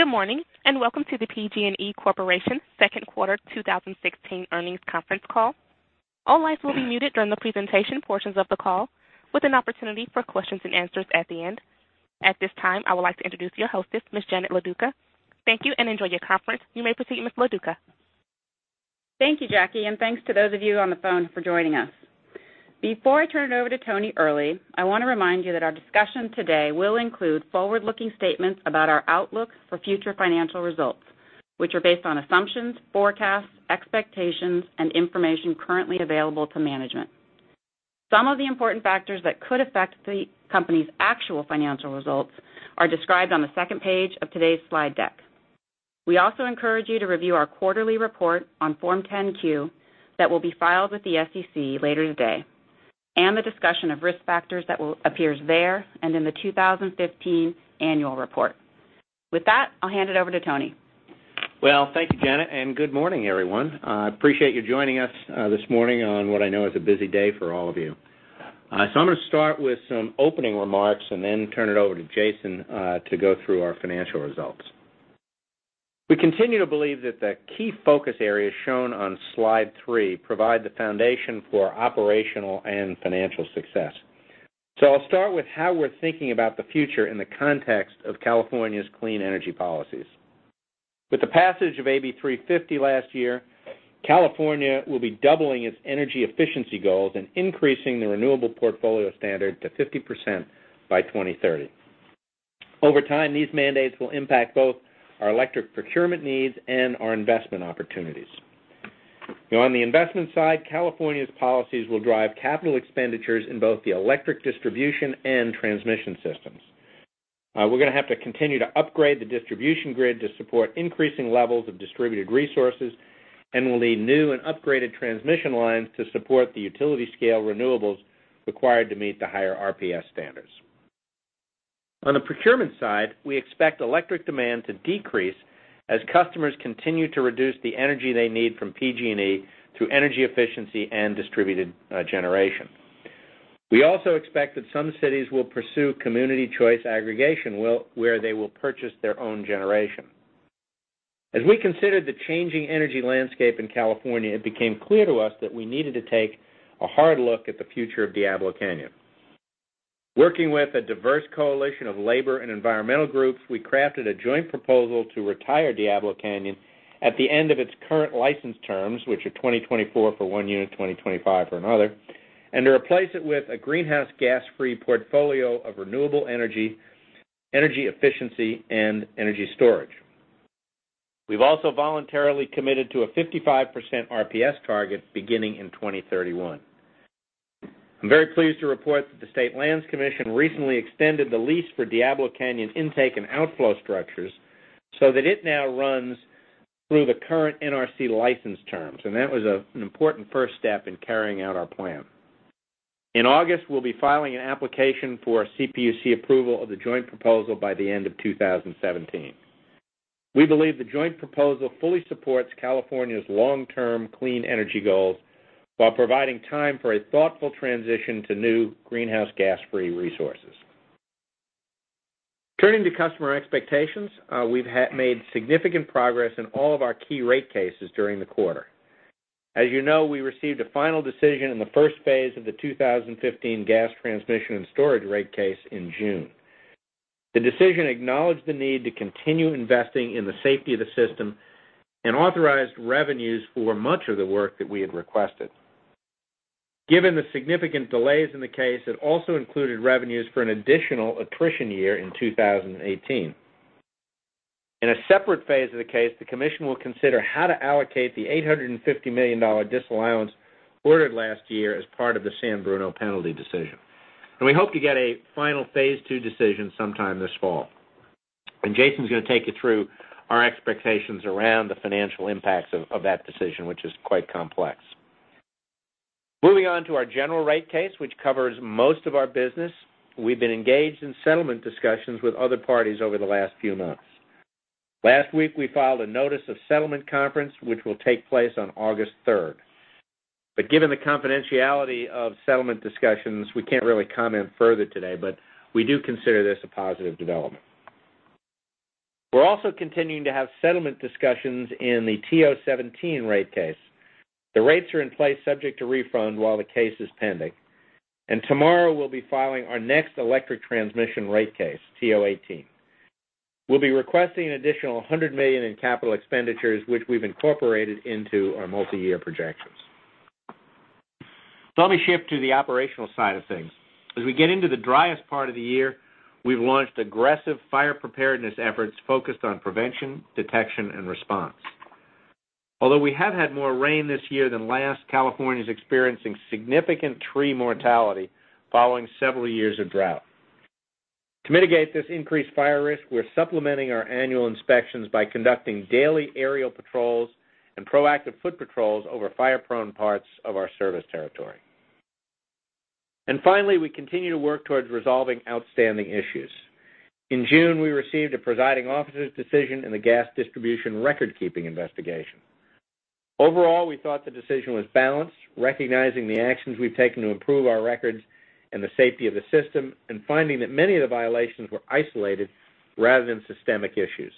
Good morning, and welcome to the PG&E Corporation second quarter 2016 earnings conference call. All lines will be muted during the presentation portions of the call, with an opportunity for questions and answers at the end. At this time, I would like to introduce your hostess, Ms. Janet Loduca. Thank you, enjoy your conference. You may proceed, Ms. Loduca. Thank you, Jackie, and thanks to those of you on the phone for joining us. Before I turn it over to Tony Earley, I want to remind you that our discussion today will include forward-looking statements about our outlook for future financial results, which are based on assumptions, forecasts, expectations, and information currently available to management. Some of the important factors that could affect the company's actual financial results are described on the second page of today's slide deck. We also encourage you to review our quarterly report on Form 10-Q that will be filed with the SEC later today, and the discussion of risk factors that appears there and in the 2015 annual report. With that, I'll hand it over to Tony. Thank you, Janet, and good morning, everyone. I appreciate you joining us this morning on what I know is a busy day for all of you. I'm going to start with some opening remarks and then turn it over to Jason to go through our financial results. We continue to believe that the key focus areas shown on Slide three provide the foundation for operational and financial success. I'll start with how we're thinking about the future in the context of California's clean energy policies. With the passage of SB 350 last year, California will be doubling its energy efficiency goals and increasing the renewable portfolio standard to 50% by 2030. Over time, these mandates will impact both our electric procurement needs and our investment opportunities. On the investment side, California's policies will drive capital expenditures in both the electric distribution and transmission systems. We're going to have to continue to upgrade the distribution grid to support increasing levels of distributed resources and will need new and upgraded transmission lines to support the utility-scale renewables required to meet the higher RPS standards. On the procurement side, we expect electric demand to decrease as customers continue to reduce the energy they need from PG&E through energy efficiency and distributed generation. We also expect that some cities will pursue community choice aggregation, where they will purchase their own generation. As we considered the changing energy landscape in California, it became clear to us that we needed to take a hard look at the future of Diablo Canyon. Working with a diverse coalition of labor and environmental groups, we crafted a joint proposal to retire Diablo Canyon at the end of its current license terms, which are 2024 for one unit, 2025 for another, and to replace it with a greenhouse gas-free portfolio of renewable energy efficiency, and energy storage. We've also voluntarily committed to a 55% RPS target beginning in 2031. I'm very pleased to report that the State Lands Commission recently extended the lease for Diablo Canyon intake and outflow structures so that it now runs through the current NRC license terms. That was an important first step in carrying out our plan. In August, we'll be filing an application for CPUC approval of the joint proposal by the end of 2017. We believe the joint proposal fully supports California's long-term clean energy goals while providing time for a thoughtful transition to new greenhouse gas-free resources. Turning to customer expectations, we've made significant progress in all of our key rate cases during the quarter. As you know, we received a final decision in the first phase of the 2015 gas transmission and storage rate case in June. The decision acknowledged the need to continue investing in the safety of the system and authorized revenues for much of the work that we had requested. Given the significant delays in the case, it also included revenues for an additional attrition year in 2018. In a separate phase of the case, the commission will consider how to allocate the $850 million disallowance ordered last year as part of the San Bruno penalty decision. We hope to get a final Phase Two decision sometime this fall. Jason's going to take you through our expectations around the financial impacts of that decision, which is quite complex. Moving on to our general rate case, which covers most of our business, we've been engaged in settlement discussions with other parties over the last few months. Last week, we filed a notice of settlement conference, which will take place on August 3rd. Given the confidentiality of settlement discussions, we can't really comment further today, but we do consider this a positive development. We're also continuing to have settlement discussions in the TO-17 rate case. The rates are in place subject to refund while the case is pending. Tomorrow, we'll be filing our next electric transmission rate case, TO-18. We'll be requesting an additional $100 million in capital expenditures, which we've incorporated into our multi-year projections. Let me shift to the operational side of things. As we get into the driest part of the year, we've launched aggressive fire preparedness efforts focused on prevention, detection, and response. Although we have had more rain this year than last, California's experiencing significant tree mortality following several years of drought. To mitigate this increased fire risk, we're supplementing our annual inspections by conducting daily aerial patrols and proactive foot patrols over fire-prone parts of our service territory. Finally, we continue to work towards resolving outstanding issues. In June, we received a presiding officer's decision in the gas distribution record-keeping investigation. We thought the decision was balanced, recognizing the actions we've taken to improve our records and the safety of the system, finding that many of the violations were isolated rather than systemic issues.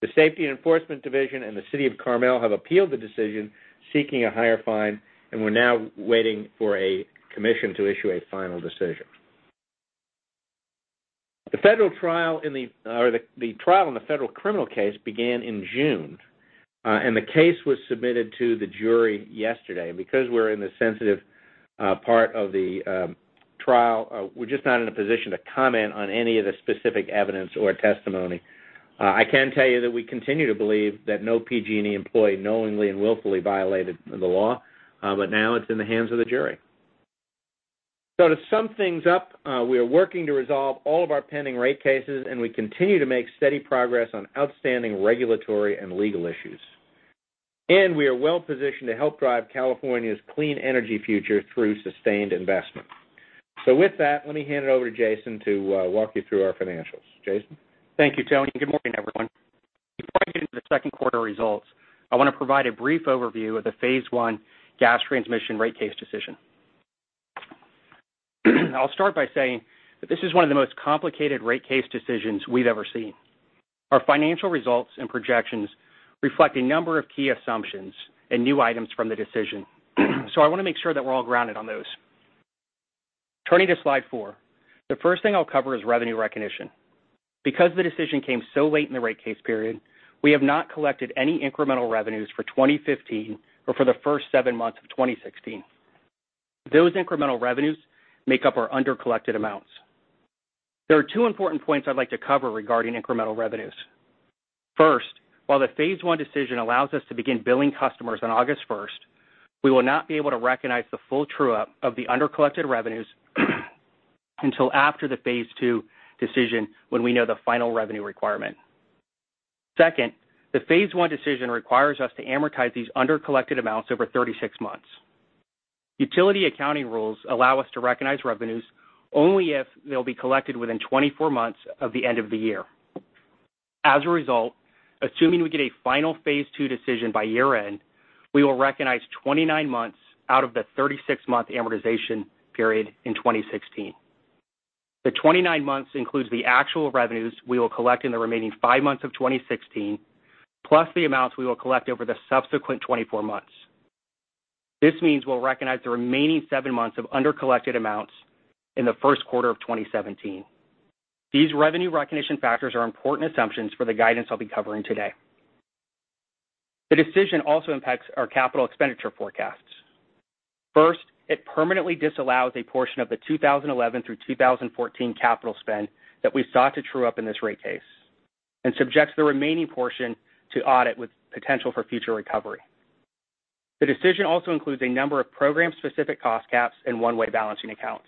The Safety and Enforcement Division and the City of Carmel have appealed the decision, seeking a higher fine. We're now waiting for a commission to issue a final decision. The trial in the federal criminal case began in June. The case was submitted to the jury yesterday. Because we're in the sensitive part of the trial, we're just not in a position to comment on any of the specific evidence or testimony. I can tell you that we continue to believe that no PG&E employee knowingly and willfully violated the law. Now it's in the hands of the jury. To sum things up, we are working to resolve all of our pending rate cases. We continue to make steady progress on outstanding regulatory and legal issues. We are well-positioned to help drive California's clean energy future through sustained investment. With that, let me hand it over to Jason to walk you through our financials. Jason? Thank you, Tony, and good morning, everyone. Before I get into the second quarter results, I want to provide a brief overview of the phase one gas transmission rate case decision. I'll start by saying that this is one of the most complicated rate case decisions we've ever seen. Our financial results and projections reflect a number of key assumptions and new items from the decision. I want to make sure that we're all grounded on those. Turning to slide four, the first thing I'll cover is revenue recognition. Because the decision came so late in the rate case period, we have not collected any incremental revenues for 2015 or for the first seven months of 2016. Those incremental revenues make up our under-collected amounts. There are two important points I'd like to cover regarding incremental revenues. First, while the phase one decision allows us to begin billing customers on August 1st, we will not be able to recognize the full true-up of the under-collected revenues until after the phase two decision when we know the final revenue requirement. Second, the phase one decision requires us to amortize these under-collected amounts over 36 months. Utility accounting rules allow us to recognize revenues only if they'll be collected within 24 months of the end of the year. As a result, assuming we get a final phase two decision by year-end, we will recognize 29 months out of the 36-month amortization period in 2016. The 29 months includes the actual revenues we will collect in the remaining five months of 2016, plus the amounts we will collect over the subsequent 24 months. This means we'll recognize the remaining seven months of under-collected amounts in the first quarter of 2017. These revenue recognition factors are important assumptions for the guidance I'll be covering today. The decision also impacts our capital expenditure forecasts. First, it permanently disallows a portion of the 2011 through 2014 capital spend that we sought to true up in this rate case and subjects the remaining portion to audit with potential for future recovery. The decision also includes a number of program-specific cost caps and one-way balancing accounts.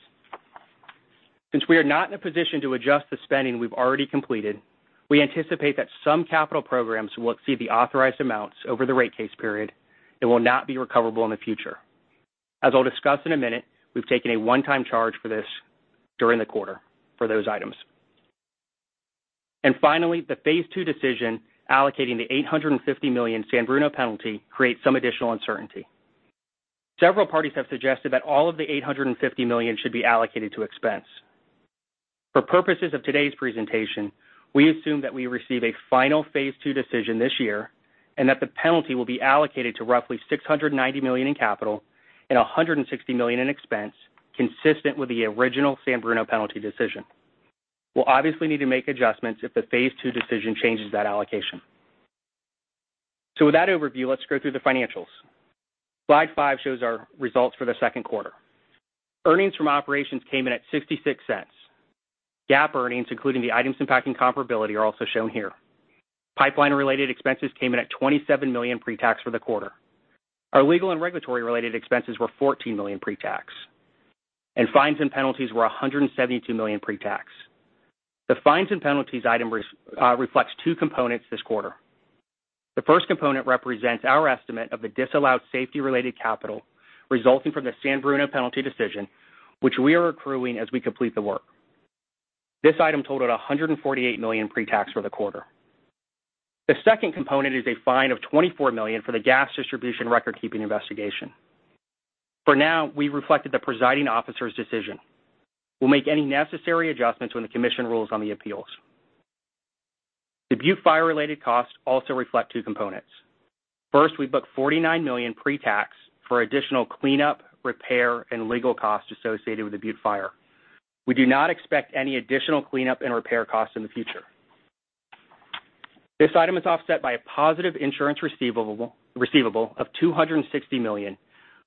Since we are not in a position to adjust the spending we've already completed, we anticipate that some capital programs will exceed the authorized amounts over the rate case period and will not be recoverable in the future. As I'll discuss in a minute, we've taken a one-time charge for this during the quarter for those items. Finally, the phase two decision allocating the $850 million San Bruno penalty creates some additional uncertainty. Several parties have suggested that all of the $850 million should be allocated to expense. For purposes of today's presentation, we assume that we receive a final phase two decision this year and that the penalty will be allocated to roughly $690 million in capital and $160 million in expense, consistent with the original San Bruno penalty decision. We'll obviously need to make adjustments if the phase two decision changes that allocation. With that overview, let's go through the financials. Slide five shows our results for the second quarter. Earnings from operations came in at $0.66. GAAP earnings, including the items impacting comparability, are also shown here. Pipeline-related expenses came in at $27 million pre-tax for the quarter. Our legal and regulatory-related expenses were $14 million pre-tax, and fines and penalties were $172 million pre-tax. The fines and penalties item reflects two components this quarter. The first component represents our estimate of the disallowed safety-related capital resulting from the San Bruno penalty decision, which we are accruing as we complete the work. This item totaled $148 million pre-tax for the quarter. The second component is a fine of $24 million for the gas distribution record-keeping investigation. For now, we reflected the presiding officer's decision. We'll make any necessary adjustments when the commission rules on the appeals. The Butte Fire-related costs also reflect two components. First, we booked $49 million pre-tax for additional cleanup, repair, and legal costs associated with the Butte Fire. We do not expect any additional cleanup and repair costs in the future. This item is offset by a positive insurance receivable of $260 million,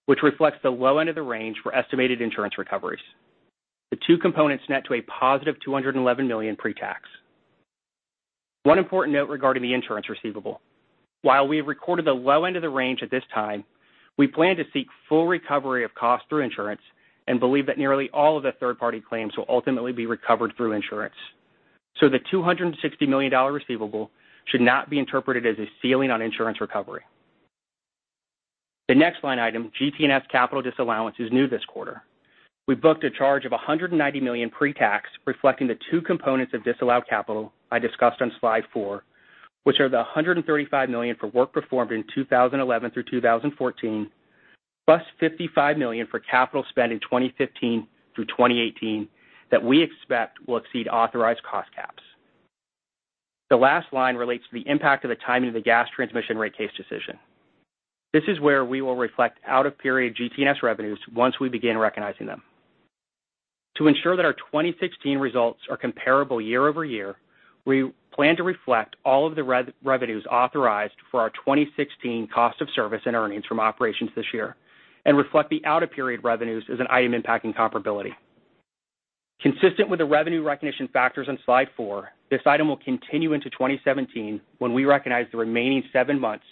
which reflects the low end of the range for estimated insurance recoveries. The two components net to a positive $211 million pre-tax. One important note regarding the insurance receivable. While we have recorded the low end of the range at this time, we plan to seek full recovery of costs through insurance and believe that nearly all of the third-party claims will ultimately be recovered through insurance. The $260 million receivable should not be interpreted as a ceiling on insurance recovery. The next line item, GT&S capital disallowance, is new this quarter. We booked a charge of $190 million pre-tax, reflecting the two components of disallowed capital I discussed on slide four, which are the $135 million for work performed in 2011 through 2014, plus $55 million for capital spend in 2015 through 2018 that we expect will exceed authorized cost caps. The last line relates to the impact of the timing of the gas transmission rate case decision. This is where we will reflect out-of-period GT&S revenues once we begin recognizing them. To ensure that our 2016 results are comparable year-over-year, we plan to reflect all of the revenues authorized for our 2016 cost of service and earnings from operations this year, and reflect the out-of-period revenues as an item impacting comparability. Consistent with the revenue recognition factors on slide four, this item will continue into 2017, when we recognize the remaining seven months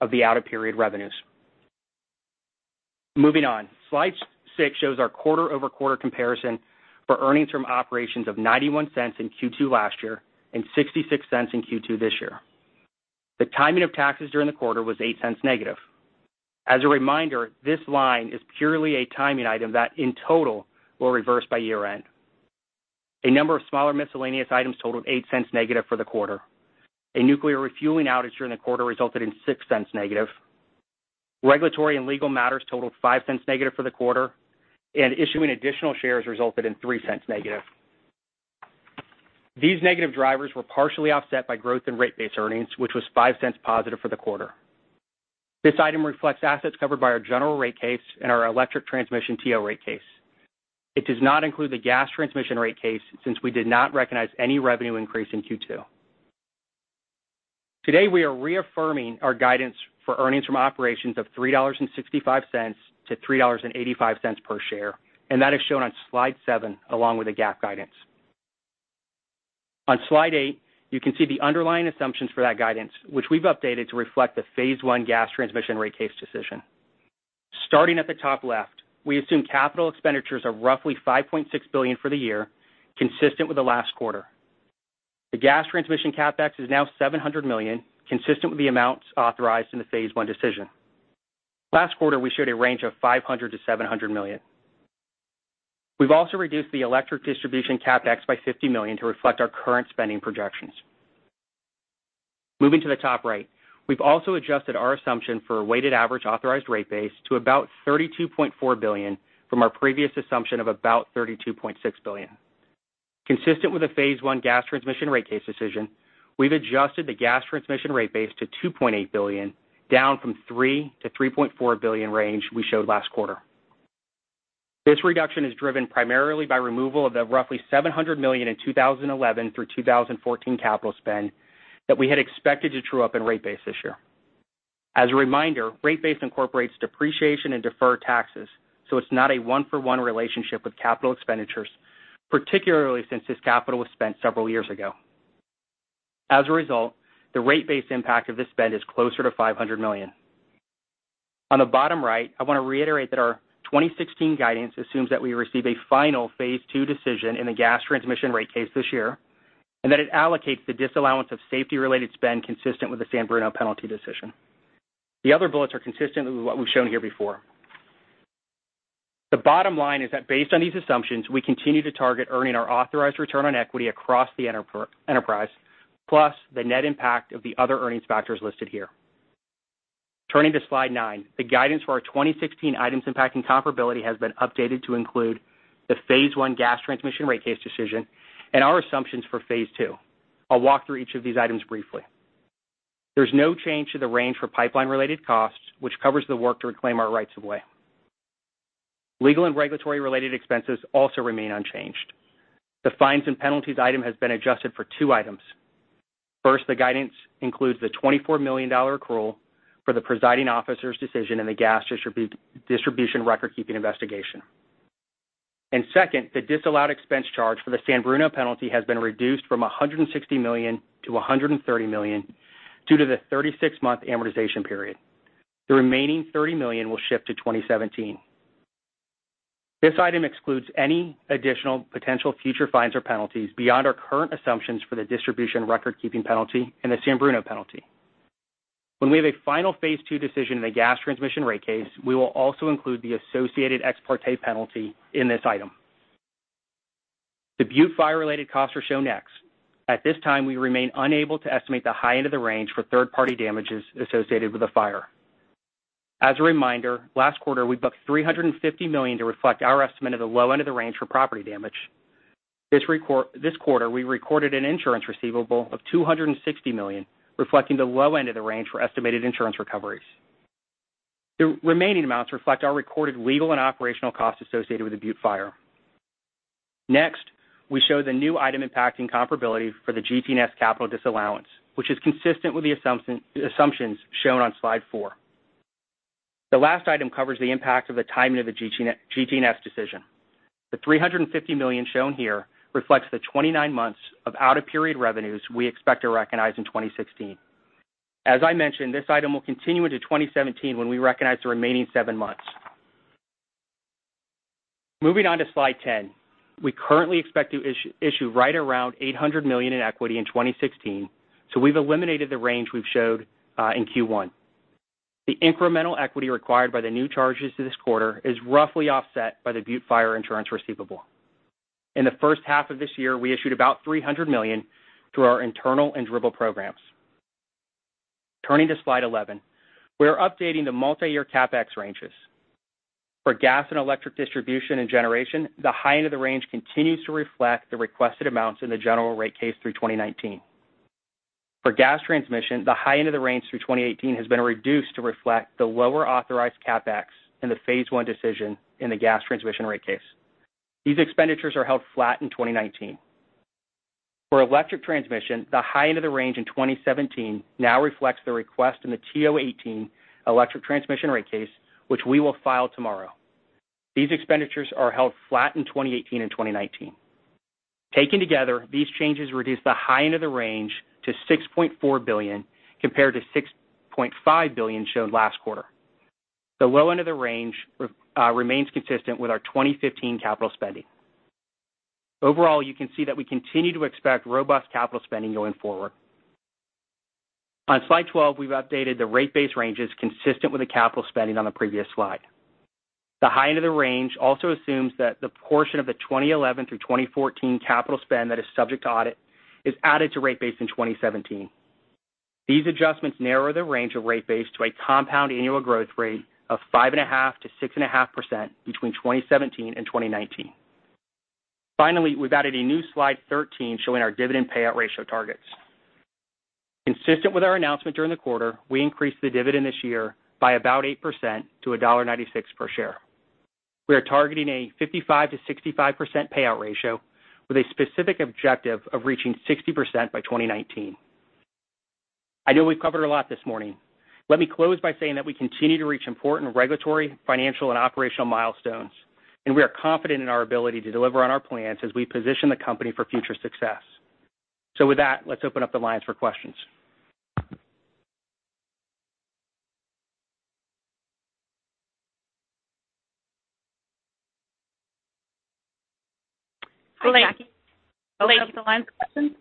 of the out-of-period revenues. Moving on. Slide six shows our quarter-over-quarter comparison for earnings from operations of $0.91 in Q2 last year, and $0.66 in Q2 this year. The timing of taxes during the quarter was $0.08 negative. As a reminder, this line is purely a timing item that in total will reverse by year-end. A number of smaller miscellaneous items totaled $0.08 negative for the quarter. A nuclear refueling outage during the quarter resulted in $0.06 negative. Regulatory and legal matters totaled $0.05 negative for the quarter, and issuing additional shares resulted in $0.03 negative. These negative drivers were partially offset by growth in rate base earnings, which was $0.05 positive for the quarter. This item reflects assets covered by our general rate case and our electric transmission TO rate case. It does not include the gas transmission rate case, since we did not recognize any revenue increase in Q2. Today, we are reaffirming our guidance for earnings from operations of $3.65 to $3.85 per share, and that is shown on slide seven along with the GAAP guidance. On slide eight, you can see the underlying assumptions for that guidance, which we've updated to reflect the phase 1 gas transmission rate case decision. Starting at the top left, we assume capital expenditures of roughly $5.6 billion for the year, consistent with the last quarter. The gas transmission CapEx is now $700 million, consistent with the amounts authorized in the phase 1 decision. Last quarter, we showed a range of $500 million-$700 million. We've also reduced the electric distribution CapEx by $50 million to reflect our current spending projections. Moving to the top right. We've also adjusted our assumption for a weighted average authorized rate base to about $32.4 billion from our previous assumption of about $32.6 billion. Consistent with the phase 1 gas transmission rate case decision, we've adjusted the gas transmission rate base to $2.8 billion, down from $3 billion-$3.4 billion range we showed last quarter. This reduction is driven primarily by removal of the roughly $700 million in 2011 through 2014 capital spend that we had expected to true up in rate base this year. As a reminder, rate base incorporates depreciation and deferred taxes, so it's not a one-for-one relationship with capital expenditures, particularly since this capital was spent several years ago. As a result, the rate base impact of this spend is closer to $500 million. On the bottom right, I want to reiterate that our 2016 guidance assumes that we receive a final phase 2 decision in the gas transmission rate case this year, and that it allocates the disallowance of safety-related spend consistent with the San Bruno penalty decision. The other bullets are consistent with what we've shown here before. The bottom line is that based on these assumptions, we continue to target earning our authorized return on equity across the enterprise, plus the net impact of the other earnings factors listed here. Turning to slide nine. The guidance for our 2016 items impacting comparability has been updated to include the phase 1 gas transmission rate case decision and our assumptions for phase 2. I'll walk through each of these items briefly. There's no change to the range for pipeline-related costs, which covers the work to reclaim our rights of way. Legal and regulatory-related expenses also remain unchanged. The fines and penalties item has been adjusted for two items. First, the guidance includes the $24 million accrual for the presiding officer's decision in the gas distribution recordkeeping investigation. Second, the disallowed expense charge for the San Bruno penalty has been reduced from $160 million to $130 million due to the 36-month amortization period. The remaining $30 million will shift to 2017. This item excludes any additional potential future fines or penalties beyond our current assumptions for the distribution recordkeeping penalty and the San Bruno penalty. When we have a final phase 2 decision in the gas transmission rate case, we will also include the associated ex parte penalty in this item. The Butte Fire-related costs are shown next. At this time, we remain unable to estimate the high end of the range for third-party damages associated with the fire. As a reminder, last quarter we booked $350 million to reflect our estimate of the low end of the range for property damage. This quarter, we recorded an insurance receivable of $260 million, reflecting the low end of the range for estimated insurance recoveries. The remaining amounts reflect our recorded legal and operational costs associated with the Butte Fire. Next, we show the new item impacting comparability for the GT&S capital disallowance, which is consistent with the assumptions shown on slide four. The last item covers the impact of the timing of the GT&S decision. The $350 million shown here reflects the 29 months of out-of-period revenues we expect to recognize in 2016. As I mentioned, this item will continue into 2017 when we recognize the remaining seven months. Moving on to slide 10. We currently expect to issue right around $800 million in equity in 2016, so we've eliminated the range we've showed in Q1. The incremental equity required by the new charges to this quarter is roughly offset by the Butte Fire insurance receivable. In the first half of this year, we issued about $300 million through our internal and DRIP programs. Turning to slide 11. We are updating the multi-year CapEx ranges. For gas and electric distribution and generation, the high end of the range continues to reflect the requested amounts in the general rate case through 2019. For gas transmission, the high end of the range through 2018 has been reduced to reflect the lower authorized CapEx in the phase 1 decision in the gas transmission rate case. These expenditures are held flat in 2019. For electric transmission, the high end of the range in 2017 now reflects the request in the TO-18 electric transmission rate case, which we will file tomorrow. These expenditures are held flat in 2018 and 2019. Taken together, these changes reduce the high end of the range to $6.4 billion, compared to $6.5 billion shown last quarter. The low end of the range remains consistent with our 2015 capital spending. Overall, you can see that we continue to expect robust capital spending going forward. On slide 12, we've updated the rate base ranges consistent with the capital spending on the previous slide. The high end of the range also assumes that the portion of the 2011 through 2014 capital spend that is subject to audit is added to rate base in 2017. These adjustments narrow the range of rate base to a compound annual growth rate of 5.5%-6.5% between 2017 and 2019. Finally, we've added a new slide 13 showing our dividend payout ratio targets. Consistent with our announcement during the quarter, we increased the dividend this year by about 8% to $1.96 per share. We are targeting a 55%-65% payout ratio with a specific objective of reaching 60% by 2019. I know we've covered a lot this morning. Let me close by saying that we continue to reach important regulatory, financial, and operational milestones, and we are confident in our ability to deliver on our plans as we position the company for future success. With that, let's open up the lines for questions. [Hi, Jackie]. Open up the line for questions.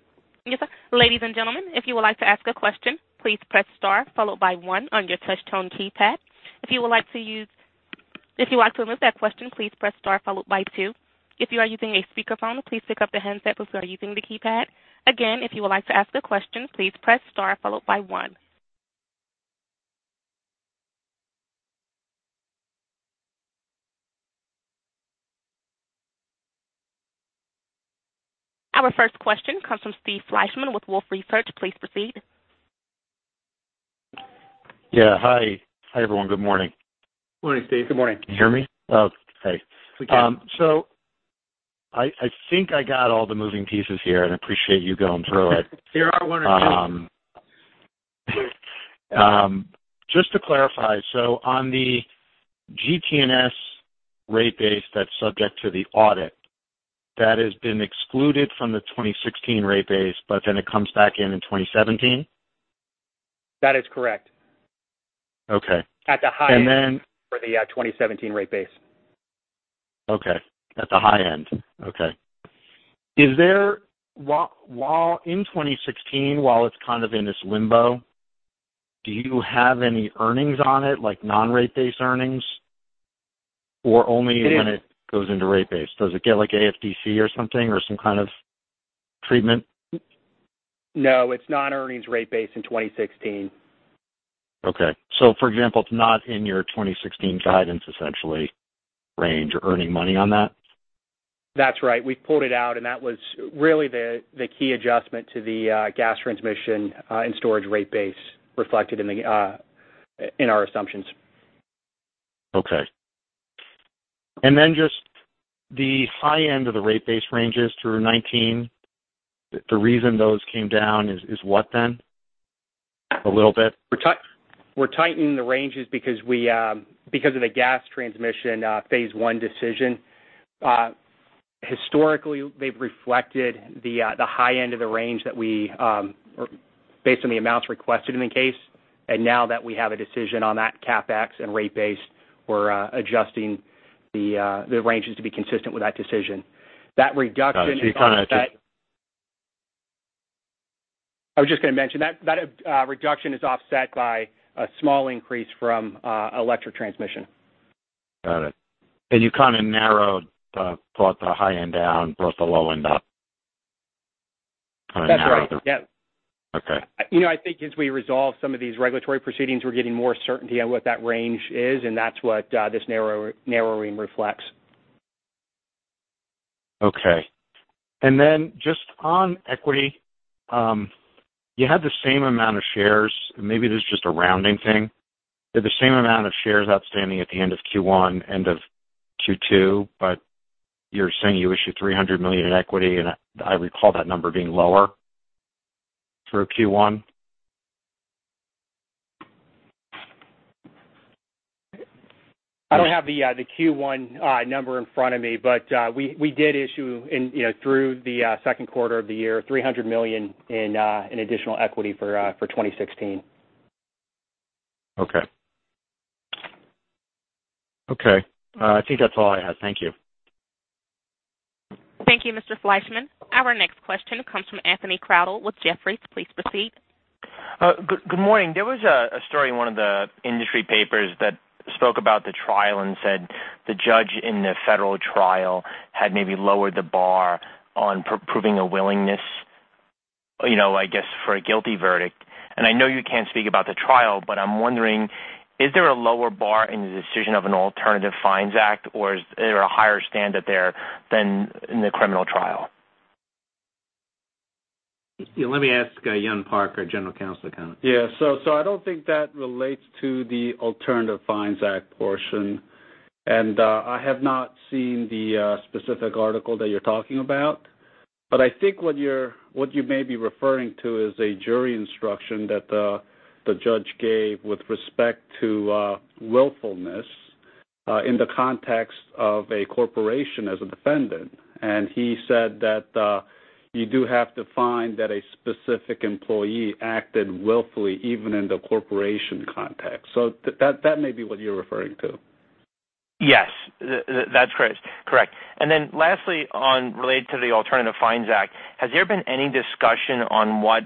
Yes, sir. Ladies and gentlemen, if you would like to ask a question, please press star followed by one on your touch tone keypad. If you would like to remove that question, please press star followed by two. If you are using a speakerphone, please pick up the handset before using the keypad. Again, if you would like to ask a question, please press star followed by one. Our first question comes from Steve Fleishman with Wolfe Research. Please proceed. Yeah. Hi, everyone. Good morning. Morning, Steve. Good morning. Can you hear me? Okay. We can. I think I got all the moving pieces here, and I appreciate you going through it. There are one or two. Just to clarify, on the GT&S rate base that's subject to the audit, that has been excluded from the 2016 rate base, it comes back in in 2017? That is correct. Okay. At the high end. And then- For the 2017 rate base. Okay. At the high end. Okay. In 2016, while it's kind of in this limbo, do you have any earnings on it, like non-rate base earnings? It is when it goes into rate base. Does it get like AFDC or something, or some kind of treatment? No, it's non-earnings rate base in 2016. Okay. For example, it's not in your 2016 guidance, essentially, range or earning money on that? That's right. We pulled it out, and that was really the key adjustment to the gas transmission and storage rate base reflected in our assumptions. Okay. Just the high end of the rate base ranges through 2019, the reason those came down is what then, a little bit? We're tightening the ranges because of the Gas Transmission phase one decision. Historically, they've reflected the high end of the range based on the amounts requested in the case. Now that we have a decision on that CapEx and rate base, we're adjusting the ranges to be consistent with that decision. That reduction is offset- You kind of just- I was just going to mention, that reduction is offset by a small increase from electric transmission. Got it. You kind of narrowed the high end down, brought the low end up. That's right. Yeah. Okay. I think as we resolve some of these regulatory proceedings, we're getting more certainty on what that range is, and that's what this narrowing reflects. Okay. Then just on equity, you had the same amount of shares, maybe this is just a rounding thing, you had the same amount of shares outstanding at the end of Q1, end of Q2, but you're saying you issued $300 million in equity, and I recall that number being lower through Q1. I don't have the Q1 number in front of me, but we did issue through the second quarter of the year, $300 million in additional equity for 2016. Okay. I think that's all I have. Thank you. Thank you, Mr. Fleishman. Our next question comes from Anthony Crowdell with Jefferies. Please proceed. Good morning. There was a story in one of the industry papers that spoke about the trial and said the judge in the federal trial had maybe lowered the bar on proving a willingness, I guess, for a guilty verdict. I know you can't speak about the trial, but I'm wondering, is there a lower bar in the decision of an Alternative Fines Act, or is there a higher standard there than in the criminal trial? Let me ask Hyun Park, our General Counsel. Yeah. I don't think that relates to the Alternative Fines Act portion. I have not seen the specific article that you're talking about. I think what you may be referring to is a jury instruction that the judge gave with respect to willfulness in the context of a corporation as a defendant. He said that you do have to find that a specific employee acted willfully even in the corporation context. That may be what you're referring to. Yes, that's correct. Lastly, on related to the Alternative Fines Act, has there been any discussion on what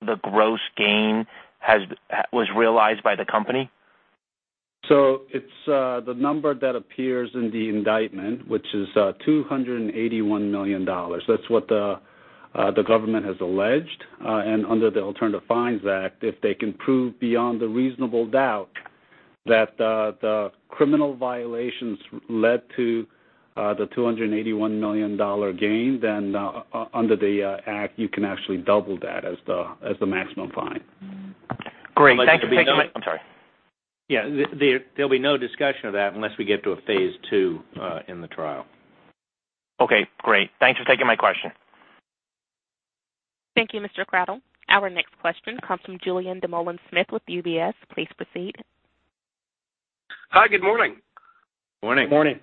the gross gain was realized by the company? It's the number that appears in the indictment, which is $281 million. That's what the government has alleged. Under the Alternative Fines Act, if they can prove beyond a reasonable doubt that the criminal violations led to the $281 million gain, then under the act, you can actually double that as the maximum fine. Great. Thank you. I'm sorry. Yeah. There'll be no discussion of that unless we get to a phase two in the trial. Okay, great. Thanks for taking my question. Thank you, Mr. Crowdell. Our next question comes from Julien Dumoulin-Smith with UBS. Please proceed. Hi, good morning. Morning. Morning.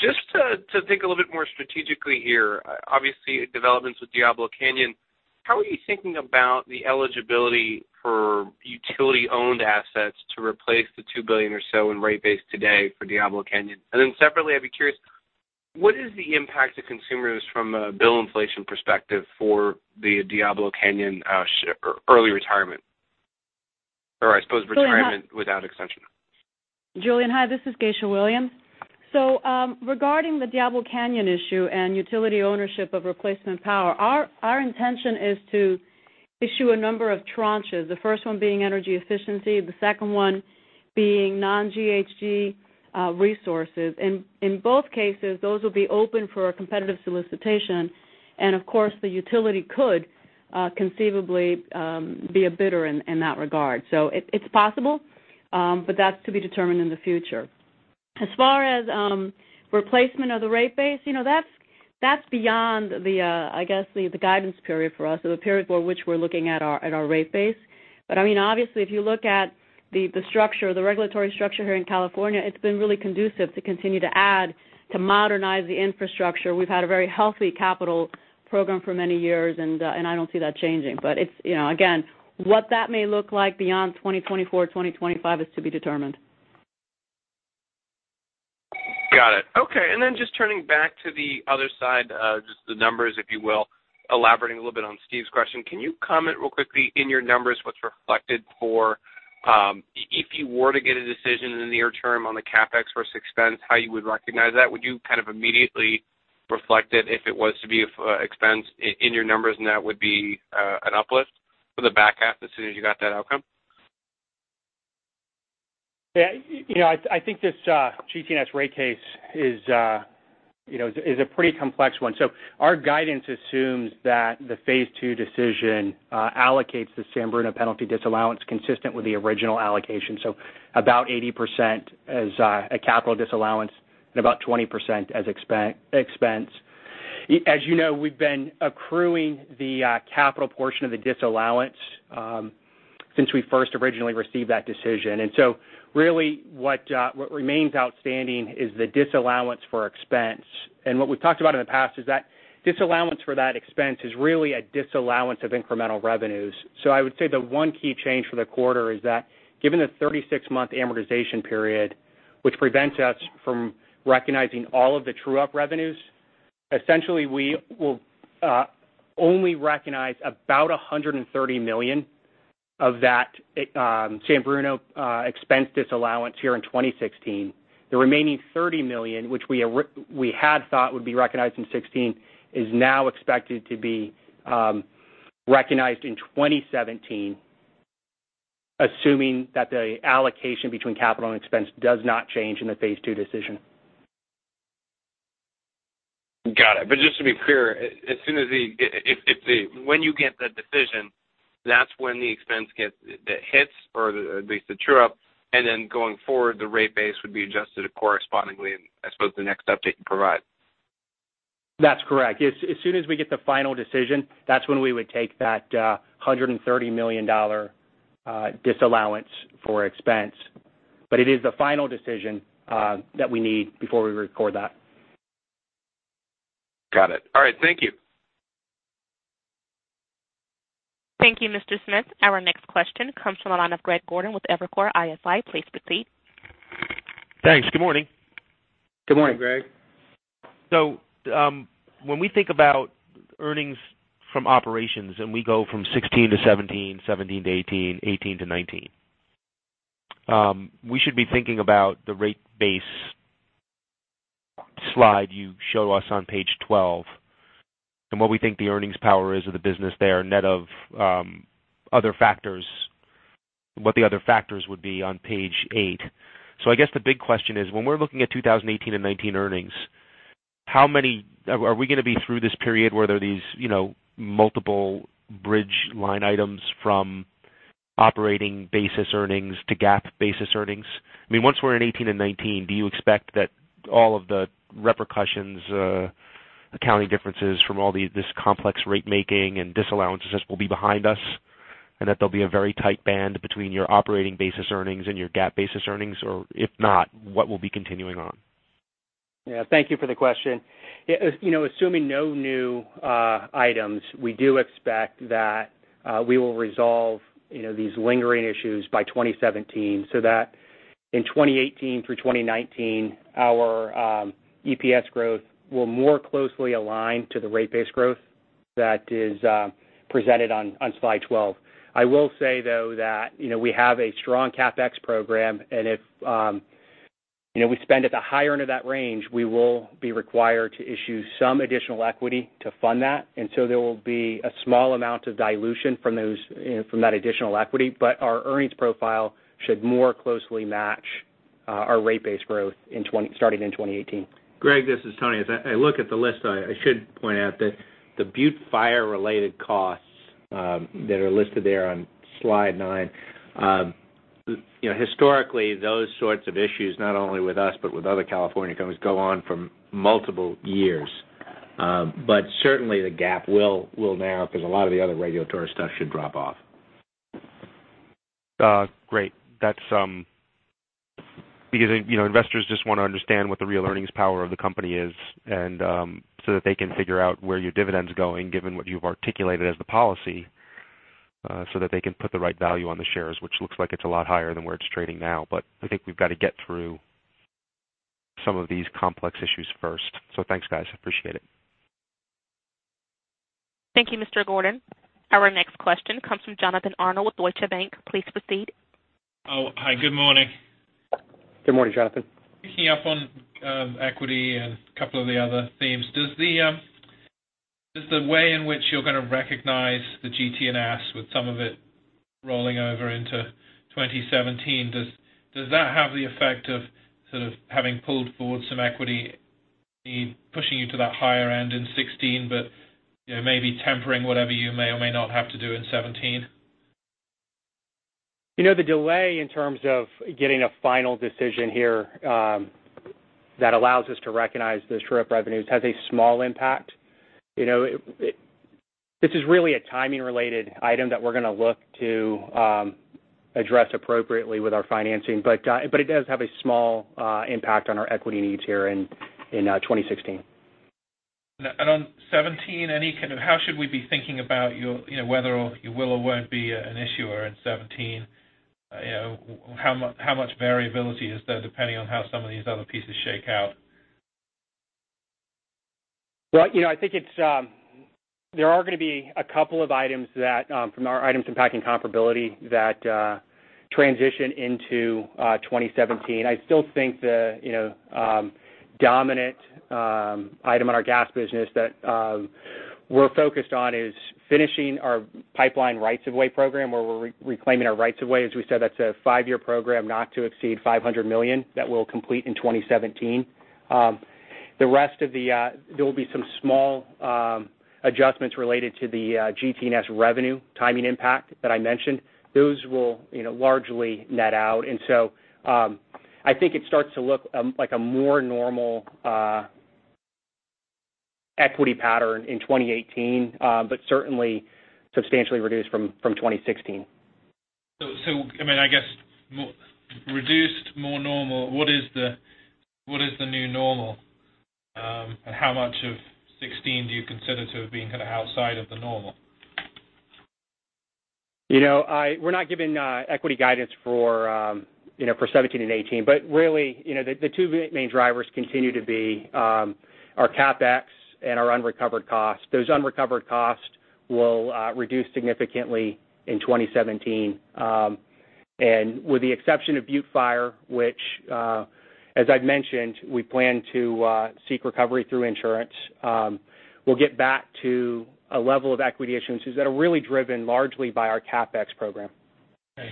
Just to think a little bit more strategically here, obviously, developments with Diablo Canyon, how are you thinking about the eligibility for utility-owned assets to replace the $2 billion or so in rate base today for Diablo Canyon? Separately, I'd be curious, what is the impact to consumers from a bill inflation perspective for the Diablo Canyon early retirement, or I suppose retirement without extension? Julien, hi, this is Geisha Williams. Regarding the Diablo Canyon issue and utility ownership of replacement power, our intention is to issue a number of tranches, the first one being energy efficiency, the second one being non-GHG resources. In both cases, those will be open for a competitive solicitation. Of course, the utility could conceivably be a bidder in that regard. It's possible, but that's to be determined in the future. As far as replacement of the rate base, that's beyond the, I guess the guidance period for us or the period for which we're looking at our rate base. Obviously, if you look at the regulatory structure here in California, it's been really conducive to continue to add, to modernize the infrastructure. We've had a very healthy capital program for many years, and I don't see that changing. Again, what that may look like beyond 2024, 2025 is to be determined. Got it. Okay. Just turning back to the other side, just the numbers, if you will, elaborating a little bit on Steve's question. Can you comment real quickly in your numbers, what's reflected for if you were to get a decision in the near term on the CapEx versus expense, how you would recognize that? Would you kind of immediately reflect it if it was to be expense in your numbers, and that would be an uplift for the back half as soon as you got that outcome? Yeah. I think this GT&S rate case is a pretty complex one. Our guidance assumes that the phase two decision allocates the San Bruno penalty disallowance consistent with the original allocation. About 80% as a capital disallowance and about 20% as expense. As you know, we've been accruing the capital portion of the disallowance since we first originally received that decision. Really what remains outstanding is the disallowance for expense. What we've talked about in the past is that disallowance for that expense is really a disallowance of incremental revenues. The one key change for the quarter is that given the 36-month amortization period, which prevents us from recognizing all of the true-up revenues, essentially, we will only recognize about $130 million of that San Bruno expense disallowance here in 2016. The remaining $30 million, which we had thought would be recognized in 2016, is now expected to be recognized in 2017, assuming that the allocation between capital and expense does not change in the phase two decision. Got it. Just to be clear, when you get the decision, that's when the expense hits, or at least the true-up, and then going forward, the rate base would be adjusted correspondingly in, I suppose, the next update you provide. That's correct. As soon as we get the final decision, that's when we would take that $130 million disallowance for expense. It is the final decision that we need before we record that. Got it. All right. Thank you. Thank you, Mr. Smith. Our next question comes from the line of Greg Gordon with Evercore ISI. Please proceed. Thanks. Good morning. Good morning, Greg. When we think about earnings from operations and we go from 2016 to 2017 to 2018 to 2019. We should be thinking about the rate base slide you show us on page 12, and what we think the earnings power is of the business there, net of other factors, what the other factors would be on page eight. I guess the big question is when we're looking at 2018 and 2019 earnings, are we going to be through this period where there are these multiple bridge line items from operating basis earnings to GAAP basis earnings? Once we're in 2018 and 2019, do you expect that all of the repercussions, accounting differences from all this complex rate making and disallowances will be behind us? That there'll be a very tight band between your operating basis earnings and your GAAP basis earnings, or if not, what will be continuing on? Yeah. Thank you for the question. Assuming no new items, we do expect that we will resolve these lingering issues by 2017, so that in 2018 through 2019, our EPS growth will more closely align to the rate base growth that is presented on slide 12. I will say, though, that we have a strong CapEx program, and if we spend at the higher end of that range, we will be required to issue some additional equity to fund that. There will be a small amount of dilution from that additional equity. Our earnings profile should more closely match our rate base growth starting in 2018. Greg, this is Tony. As I look at the list, I should point out that the Butte Fire related costs that are listed there on slide nine. Historically, those sorts of issues, not only with us, but with other California companies, go on for multiple years. Certainly the GAAP will narrow because a lot of the other regulatory stuff should drop off. Great. That's because investors just want to understand what the real earnings power of the company is, so that they can figure out where your dividend's going, given what you've articulated as the policy, so that they can put the right value on the shares, which looks like it's a lot higher than where it's trading now. I think we've got to get through some of these complex issues first. Thanks, guys. Appreciate it. Thank you, Mr. Gordon. Our next question comes from Jonathan Arnold with Deutsche Bank. Please proceed. Hi. Good morning. Good morning, Jonathan. Picking up on equity and a couple of the other themes. Does the way in which you're going to recognize the GT&S with some of it rolling over into 2017, does that have the effect of sort of having pulled forward some equity, pushing you to that higher end in 2016, but maybe tempering whatever you may or may not have to do in 2017? The delay in terms of getting a final decision here that allows us to recognize those true-up revenues has a small impact. This is really a timing related item that we're going to look to address appropriately with our financing. It does have a small impact on our equity needs here in 2016. On 2017, how should we be thinking about whether you will or won't be an issuer in 2017? How much variability is there depending on how some of these other pieces shake out? Well, I think there are going to be a couple of items from our items impacting comparability that transition into 2017. I still think the dominant item in our gas business that we're focused on is finishing our pipeline rights of way program, where we're reclaiming our rights of way. As we said, that's a five-year program, not to exceed $500 million that we'll complete in 2017. There will be some small adjustments related to the GT&S revenue timing impact that I mentioned. Those will largely net out. I think it starts to look like a more normal equity pattern in 2018. But certainly substantially reduced from 2016. I guess reduced more normal. What is the new normal? How much of 2016 do you consider to have been kind of outside of the normal? We're not giving equity guidance for 2017 and 2018. Really, the two main drivers continue to be our CapEx and our unrecovered costs. Those unrecovered costs will reduce significantly in 2017. With the exception of Butte Fire, which, as I've mentioned, we plan to seek recovery through insurance. We'll get back to a level of equity issuances that are really driven largely by our CapEx program. Great.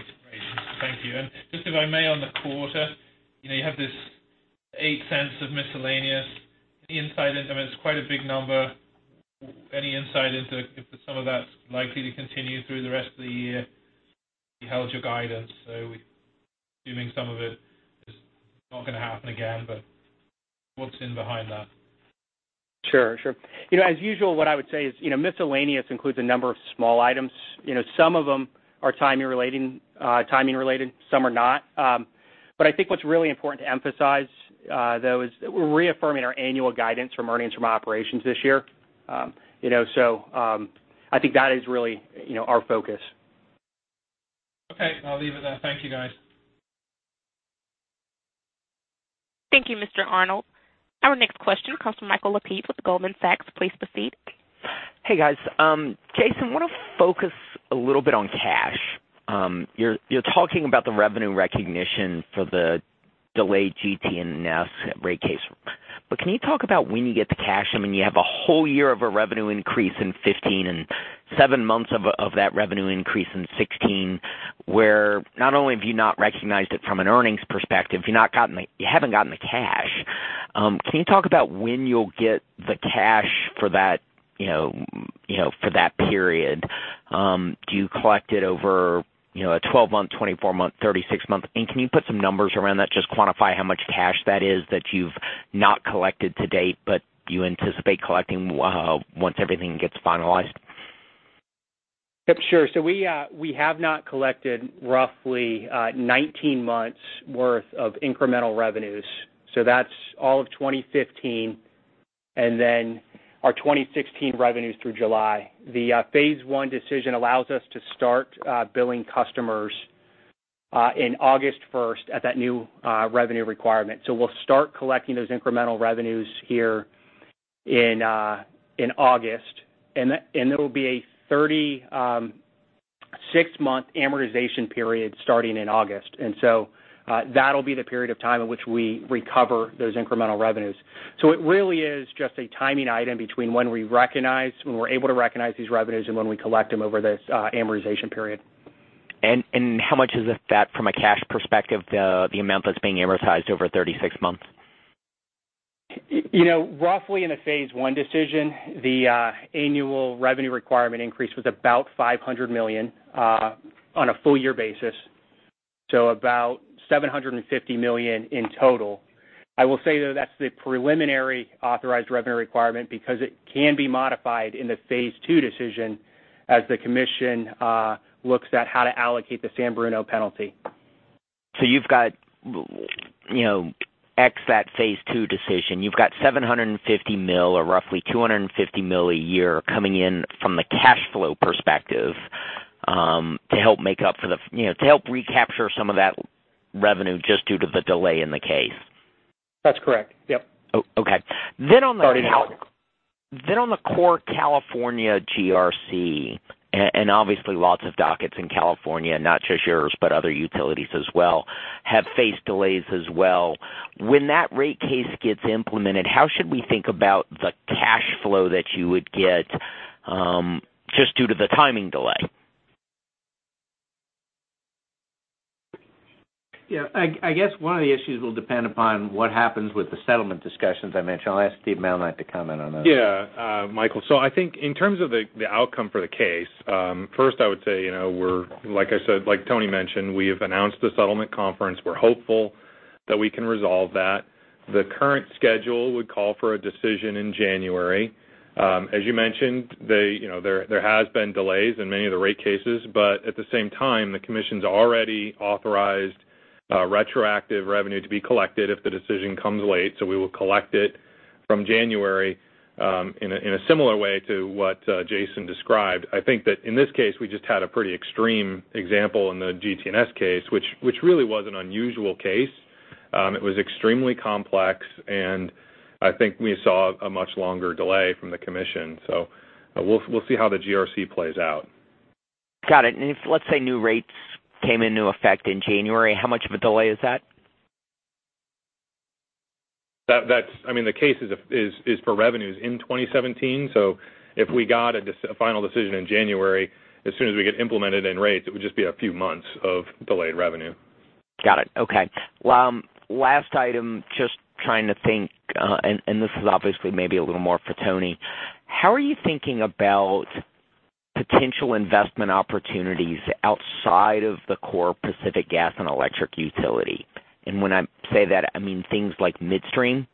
Thank you. Just if I may on the quarter, you have this $0.08 of miscellaneous. I mean, it's quite a big number. Any insight into if some of that's likely to continue through the rest of the year? You held your guidance, so assuming some of it is not going to happen again, but what's in behind that? Sure. As usual, what I would say is miscellaneous includes a number of small items. Some of them are timing related, some are not. I think what's really important to emphasize though is that we're reaffirming our annual guidance from earnings from operations this year. I think that is really our focus. Okay, I'll leave it there. Thank you, guys. Thank you, Mr. Arnold. Our next question comes from Michael Lapides with Goldman Sachs. Please proceed. Hey, guys. Jason, want to focus a little bit on cash. You're talking about the revenue recognition for the delayed GT&S rate case. Can you talk about when you get the cash? You have a whole year of a revenue increase in 2015 and 7 months of that revenue increase in 2016, where not only have you not recognized it from an earnings perspective, you haven't gotten the cash. Can you talk about when you'll get the cash for that period? Do you collect it over a 12-month, 24-month, 36-month? Can you put some numbers around that? Just quantify how much cash that is that you've not collected to date, but you anticipate collecting once everything gets finalized. Yep, sure. We have not collected roughly 19 months worth of incremental revenues. That's all of 2015 and then our 2016 revenues through July. The phase one decision allows us to start billing customers in August 1st at that new revenue requirement. We'll start collecting those incremental revenues here in August, and it'll be a 36-month amortization period starting in August. That'll be the period of time in which we recover those incremental revenues. It really is just a timing item between when we recognize, when we're able to recognize these revenues, and when we collect them over this amortization period. How much is that from a cash perspective, the amount that's being amortized over 36 months? Roughly in a phase one decision, the annual revenue requirement increase was about $500 million on a full year basis, about $750 million in total. I will say, though, that's the preliminary authorized revenue requirement because it can be modified in the phase two decision as the commission looks at how to allocate the San Bruno penalty. You've got, ex that phase two decision, you've got $750 million or roughly $250 million a year coming in from the cash flow perspective to help recapture some of that revenue just due to the delay in the case. That's correct. Yep. Okay. Starting in August. On the core California GRC, and obviously lots of dockets in California, not just yours, but other utilities as well, have faced delays as well. When that rate case gets implemented, how should we think about the cash flow that you would get just due to the timing delay? Yeah. I guess one of the issues will depend upon what happens with the settlement discussions I mentioned. I'll ask Steve Malnight to comment on those. Yeah. Michael, I think in terms of the outcome for the case, first I would say, like Tony mentioned, we have announced the settlement conference. We're hopeful that we can resolve that. The current schedule would call for a decision in January. As you mentioned, there has been delays in many of the rate cases. At the same time, the commission's already authorized retroactive revenue to be collected if the decision comes late. We will collect it from January in a similar way to what Jason described. I think that in this case, we just had a pretty extreme example in the GT&S case, which really was an unusual case. It was extremely complex, and I think we saw a much longer delay from the commission. We'll see how the GRC plays out. Got it. If, let's say, new rates came into effect in January, how much of a delay is that? The case is for revenues in 2017. If we got a final decision in January, as soon as we get implemented in rates, it would just be a few months of delayed revenue. Got it. Okay. Last item, just trying to think. This is obviously maybe a little more for Tony. How are you thinking about potential investment opportunities outside of the core Pacific Gas and Electric utility? When I say that, I mean things like midstream,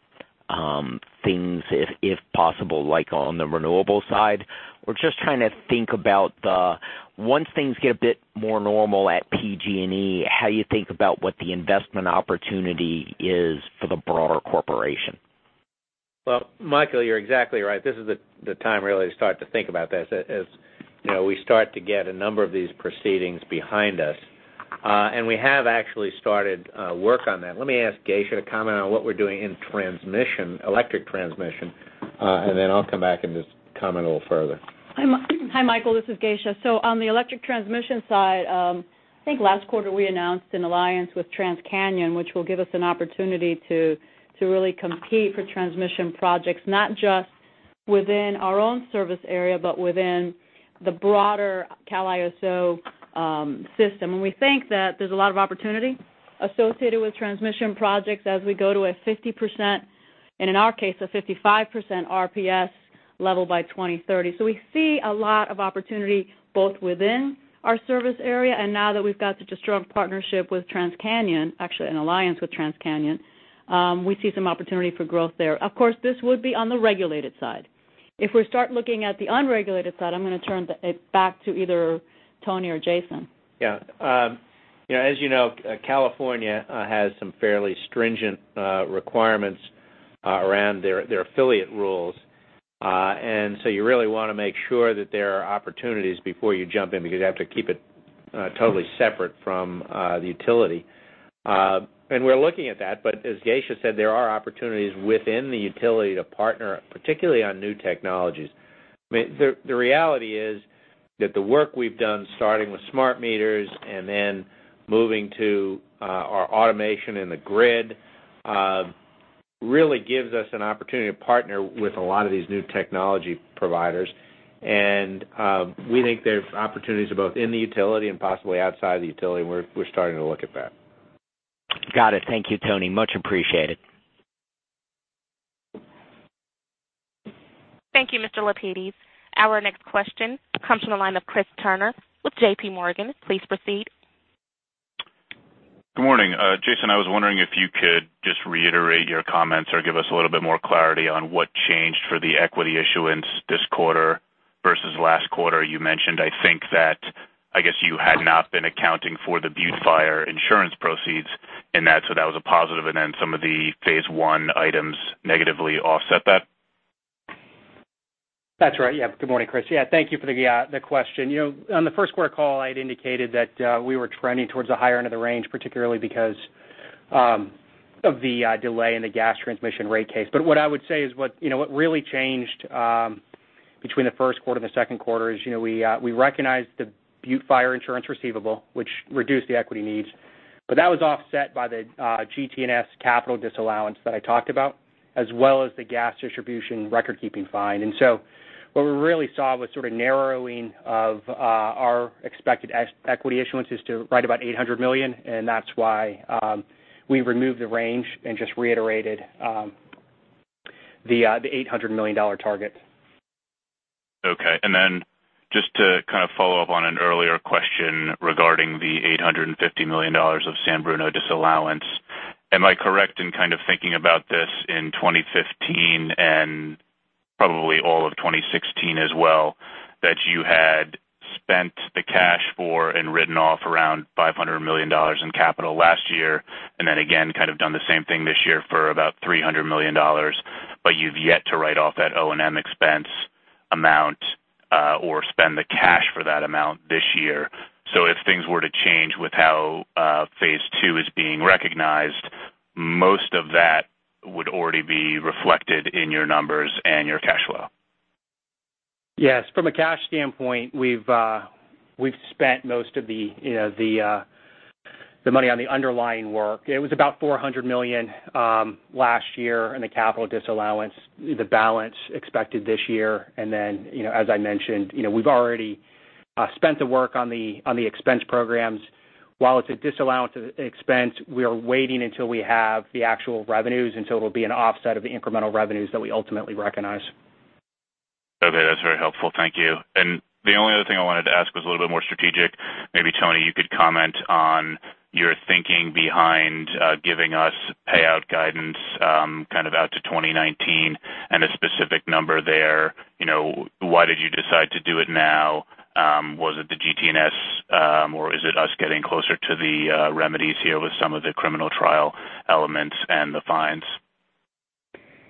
things, if possible, like on the renewable side, or just trying to think about the, once things get a bit more normal at PG&E, how you think about what the investment opportunity is for the broader corporation. Well, Michael, you're exactly right. This is the time really to start to think about this as we start to get a number of these proceedings behind us. We have actually started work on that. Let me ask Geisha to comment on what we're doing in transmission, electric transmission, then I'll come back and just comment a little further. Hi, Michael. This is Geisha. On the electric transmission side, I think last quarter we announced an alliance with TransCanyon, which will give us an opportunity to really compete for transmission projects, not just within our own service area, but within the broader CAISO system. We think that there's a lot of opportunity associated with transmission projects as we go to a 50%, and in our case, a 55% RPS level by 2030. We see a lot of opportunity both within our service area, now that we've got such a strong partnership with TransCanyon, actually an alliance with TransCanyon, we see some opportunity for growth there. Of course, this would be on the regulated side. If we start looking at the unregulated side, I'm going to turn it back to either Tony or Jason. Yeah. As you know, California has some fairly stringent requirements around their affiliate rules. You really want to make sure that there are opportunities before you jump in, because you have to keep it totally separate from the utility. We're looking at that, but as Geisha said, there are opportunities within the utility to partner, particularly on new technologies. The reality is that the work we've done, starting with smart meters then moving to our automation in the grid, really gives us an opportunity to partner with a lot of these new technology providers. We think there's opportunities both in the utility and possibly outside the utility, we're starting to look at that. Got it. Thank you, Tony. Much appreciated. Thank you, Mr. Lapides. Our next question comes from the line of Christopher Turnure with J.P. Morgan. Please proceed. Good morning. Jason, I was wondering if you could just reiterate your comments or give us a little bit more clarity on what changed for the equity issuance this quarter versus last quarter. You mentioned, I think that, I guess you had not been accounting for the Butte Fire insurance proceeds in that was a positive, then some of the phase I items negatively offset that? That's right. Yeah. Good morning, Chris. Yeah, thank you for the question. On the first quarter call, I had indicated that we were trending towards the higher end of the range, particularly because of the delay in the gas transmission rate case. What I would say is what really changed between the first quarter and the second quarter is we recognized the Butte Fire insurance receivable, which reduced the equity needs. That was offset by the GT&S capital disallowance that I talked about, as well as the gas distribution record-keeping fine. What we really saw was sort of narrowing of our expected equity issuances to right about $800 million, and that's why we removed the range and just reiterated the $800 million target. Okay. Just to kind of follow up on an earlier question regarding the $850 million of San Bruno disallowance, am I correct in kind of thinking about this in 2015 and probably all of 2016 as well, that you had spent the cash for and written off around $500 million in capital last year, then again, kind of done the same thing this year for about $300 million, but you've yet to write off that O&M expense amount or spend the cash for that amount this year. If things were to change with how phase two is being recognized, most of that would already be reflected in your numbers and your cash flow. Yes. From a cash standpoint, we've spent most of the money on the underlying work. It was about $400 million last year in the capital disallowance, the balance expected this year. As I mentioned, we've already spent the work on the expense programs. While it's a disallowance expense, we are waiting until we have the actual revenues, until it'll be an offset of the incremental revenues that we ultimately recognize. Okay. That's very helpful. Thank you. The only other thing I wanted to ask was a little bit more strategic. Maybe Tony, you could comment on your thinking behind giving us payout guidance kind of out to 2019 and a specific number there. Why did you decide to do it now? Was it the GT&S, or is it us getting closer to the remedies here with some of the criminal trial elements and the fines?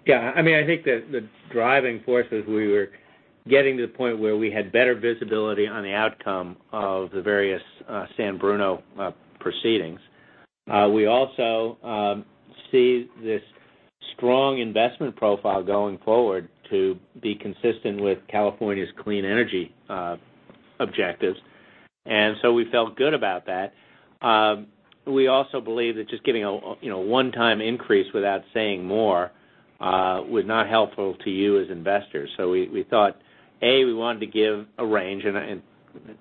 Yeah. I think the driving force is we were getting to the point where we had better visibility on the outcome of the various San Bruno proceedings. We also see this strong investment profile going forward to be consistent with California's clean energy objectives. We felt good about that. We also believe that just giving a one-time increase without saying more was not helpful to you as investors. We thought, A, we wanted to give a range,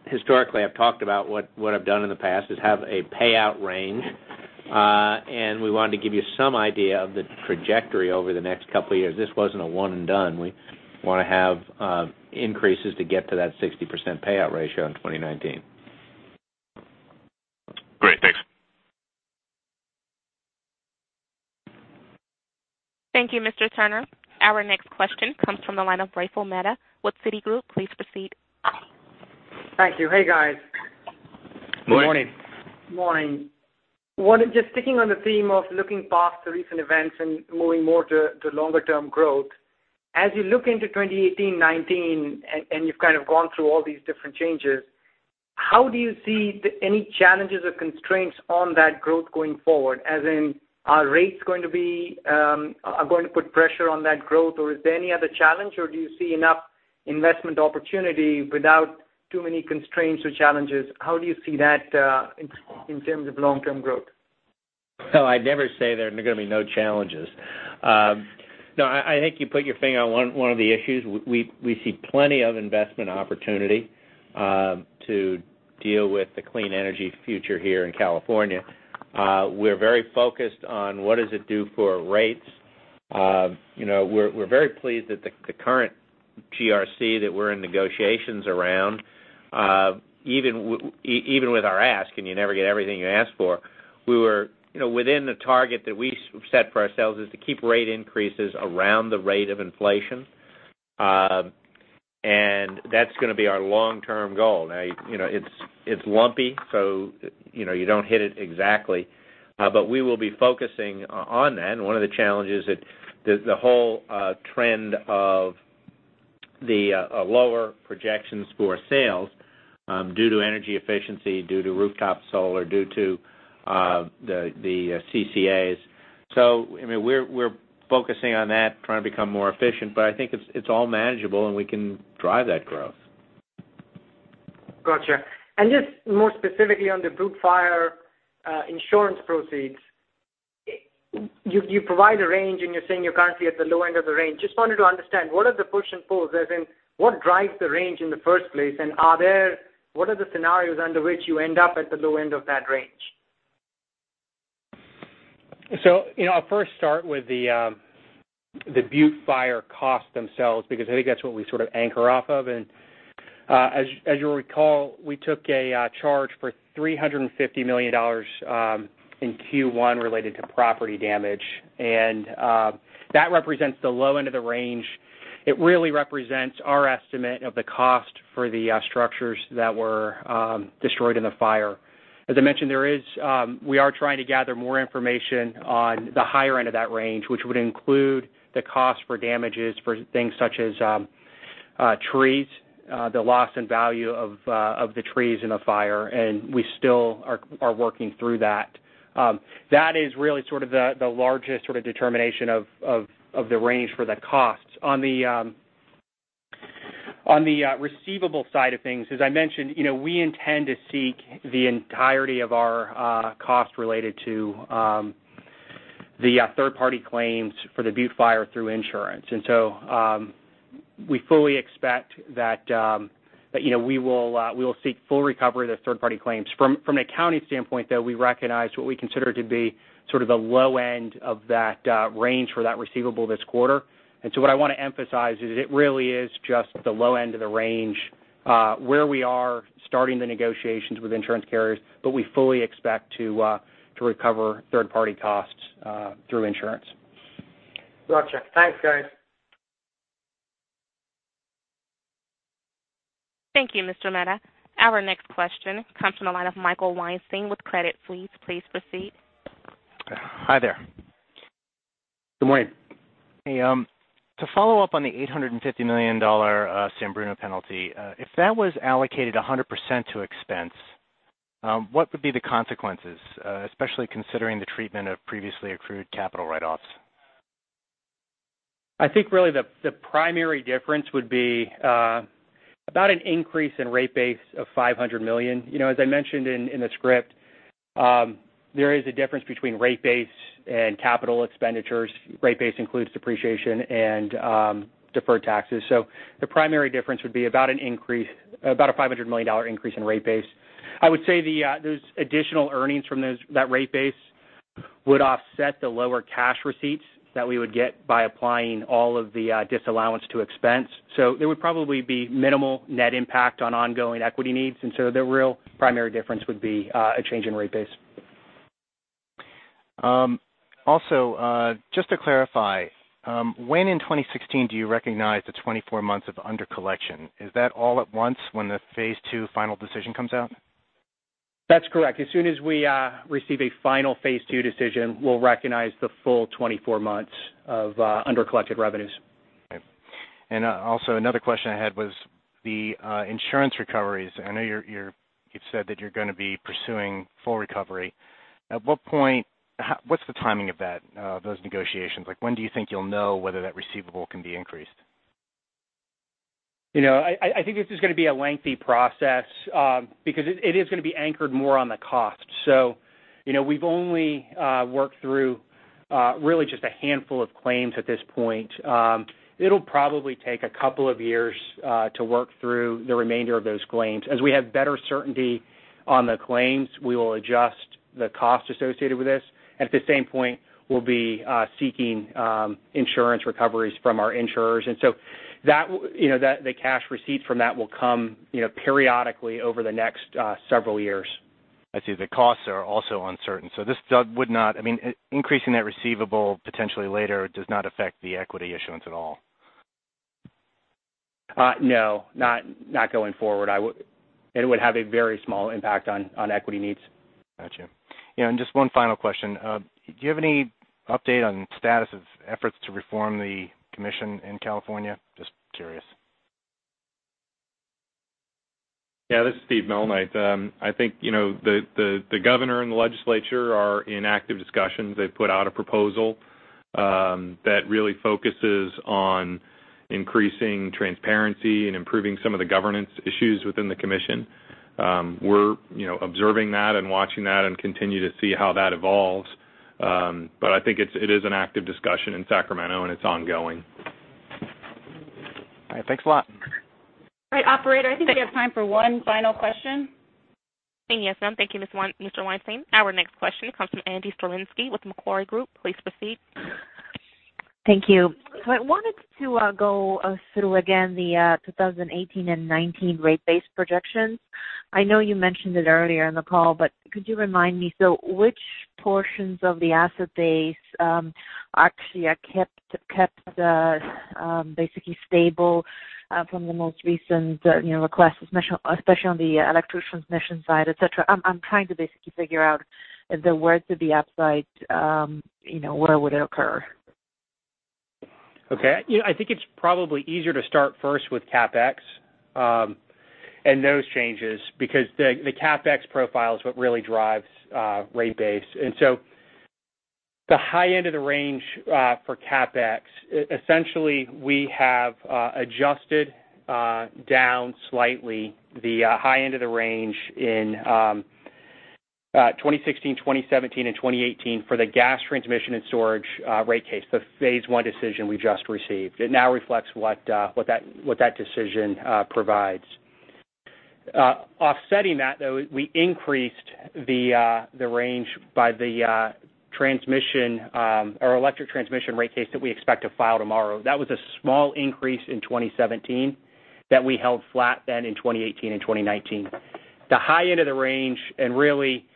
historically, I've talked about what I've done in the past is have a payout range. We wanted to give you some idea of the trajectory over the next couple of years. This wasn't a one and done. We want to have increases to get to that 60% payout ratio in 2019. Great. Thanks. Thank you, Mr. Turnere. Our next question comes from the line of Praful Mehta with Citigroup. Please proceed. Thank you. Hey, guys. Good morning. Morning. Morning. Just sticking on the theme of looking past the recent events and moving more to longer-term growth, as you look into 2018, 2019, and you've kind of gone through all these different changes, how do you see any challenges or constraints on that growth going forward, as in are rates going to put pressure on that growth, or is there any other challenge, or do you see enough investment opportunity without too many constraints or challenges? How do you see that in terms of long-term growth? I'd never say there are going to be no challenges. No, I think you put your finger on one of the issues. We see plenty of investment opportunity to deal with the clean energy future here in California. We're very focused on what does it do for our rates. We're very pleased that the current GRC that we're in negotiations around, even with our ask, and you never get everything you ask for, within the target that we set for ourselves is to keep rate increases around the rate of inflation. That's going to be our long-term goal. Now, it's lumpy, so you don't hit it exactly. We will be focusing on that. One of the challenges that the whole trend of the lower projections for sales, due to energy efficiency, due to rooftop solar, due to the CCAs. We're focusing on that, trying to become more efficient, but I think it's all manageable, and we can drive that growth. Got you. Just more specifically on the Butte Fire insurance proceeds. You provide a range, and you're saying you're currently at the low end of the range. Just wanted to understand, what are the push and pulls, as in, what drives the range in the first place? What are the scenarios under which you end up at the low end of that range? I'll first start with the Butte Fire costs themselves, because I think that's what we sort of anchor off of. As you'll recall, we took a charge for $350 million in Q1 related to property damage, and that represents the low end of the range. It really represents our estimate of the cost for the structures that were destroyed in the fire. As I mentioned, we are trying to gather more information on the higher end of that range, which would include the cost for damages for things such as trees, the loss in value of the trees in the fire, and we still are working through that. That is really sort of the largest sort of determination of the range for the costs. On the receivable side of things, as I mentioned, we intend to seek the entirety of our cost related to the third-party claims for the Butte Fire through insurance. We fully expect that we will seek full recovery of the third-party claims. From an accounting standpoint, though, we recognize what we consider to be sort of the low end of that range for that receivable this quarter. What I want to emphasize is it really is just the low end of the range, where we are starting the negotiations with insurance carriers, but we fully expect to recover third-party costs through insurance. Got you. Thanks, guys. Thank you, Mr. Mehta. Our next question comes from the line of Michael Weinstein with Credit Suisse. Please proceed. Hi there. Good morning. Hey, to follow up on the $850 million San Bruno penalty, if that was allocated 100% to expense, what would be the consequences, especially considering the treatment of previously accrued capital write-offs? I think really the primary difference would be about an increase in rate base of $500 million. As I mentioned in the script, there is a difference between rate base and capital expenditures. Rate base includes depreciation and deferred taxes. The primary difference would be about a $500 million increase in rate base. I would say those additional earnings from that rate base would offset the lower cash receipts that we would get by applying all of the disallowance to expense. There would probably be minimal net impact on ongoing equity needs, and so the real primary difference would be a change in rate base. Also, just to clarify, when in 2016 do you recognize the 24 months of under collection? Is that all at once when the phase two final decision comes out? That's correct. As soon as we receive a final phase II decision, we'll recognize the full 24 months of under-collected revenues. Okay. Also, another question I had was the insurance recoveries. I know you've said that you're going to be pursuing full recovery. What's the timing of those negotiations? When do you think you'll know whether that receivable can be increased? I think this is going to be a lengthy process, because it is going to be anchored more on the cost. We've only worked through really just a handful of claims at this point. It'll probably take a couple of years to work through the remainder of those claims. As we have better certainty on the claims, we will adjust the cost associated with this. At the same point, we'll be seeking insurance recoveries from our insurers. The cash receipts from that will come periodically over the next several years. I see. The costs are also uncertain. Increasing that receivable potentially later does not affect the equity issuance at all? No, not going forward. It would have a very small impact on equity needs. Got you. Just one final question. Do you have any update on the status of efforts to reform the commission in California? Just curious. Yeah, this is Steve Malnight. I think the governor and the legislature are in active discussions. They've put out a proposal that really focuses on increasing transparency and improving some of the governance issues within the commission. We're observing that and watching that and continue to see how that evolves. I think it is an active discussion in Sacramento, and it's ongoing. All right. Thanks a lot. All right, operator. I think we have time for one final question. Yes, ma'am. Thank you, Mr. Weinstein. Our next question comes from Andy Stalinsky with Macquarie Group. Please proceed. Thank you. I wanted to go through again the 2018 and 2019 rate base projections. I know you mentioned it earlier in the call, could you remind me, which portions of the asset base actually are kept basically stable from the most recent requests, especially on the electric transmission side, et cetera? I'm trying to basically figure out if there were to be upside, where would it occur? Okay. I think it's probably easier to start first with CapEx and those changes, because the CapEx profile is what really drives rate base. The high end of the range for CapEx, essentially, we have adjusted down slightly the high end of the range in 2016, 2017, and 2018 for the gas transmission and storage rate case, the phase one decision we just received. It now reflects what that decision provides. Offsetting that, we increased the range by the electric transmission rate case that we expect to file tomorrow. That was a small increase in 2017 that we held flat in 2018 and 2019. The high end of the range, really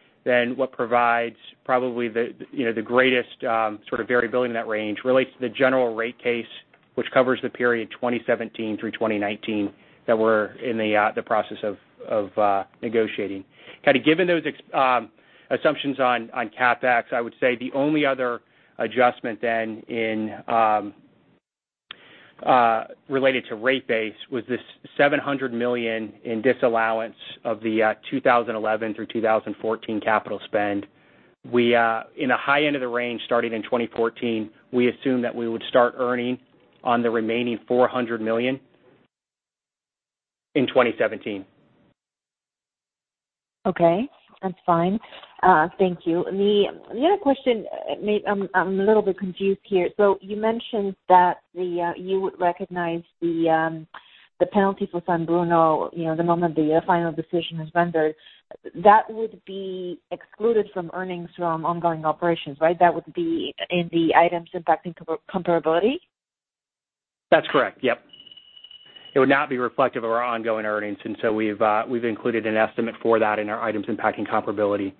what provides probably the greatest sort of variability in that range relates to the general rate case, which covers the period 2017 through 2019 that we're in the process of negotiating. Given those assumptions on CapEx, I would say the only other adjustment then related to rate base was this $700 million in disallowance of the 2011 through 2014 capital spend. In the high end of the range, starting in 2014, we assume that we would start earning on the remaining $400 million in 2017. Okay, that's fine. Thank you. The other question, I'm a little bit confused here. You mentioned that you would recognize the penalty for San Bruno the moment the final decision is rendered. That would be excluded from earnings from ongoing operations, right? That would be in the items impacting comparability? That's correct. Yep. It would not be reflective of our ongoing earnings, we've included an estimate for that in our items impacting comparability.